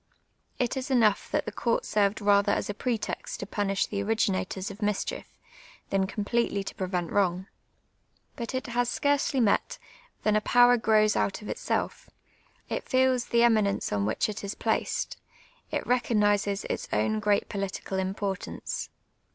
It is enou<j:h that the court served rather as a pretext to punish the ori^^inators of mischief, than completely to pre vent >\Tont;. Ikit it has scarcely met, than a ])ower j^rows out of itself; it feels the eminence on which it is ])laced ; it rc cofxniscs its own jji eat ])olitical imj)ortance.